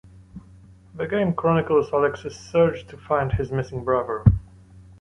The game chronicles Alex's search to find his missing brother.